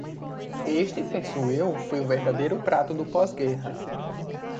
Este, penso eu, foi o verdadeiro prato do pós-guerra.